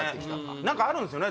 何かあるんすよね